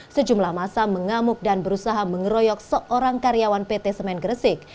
sejumlah masa mengamuk dan berusaha mengeroyok seorang karyawan pt semen gresik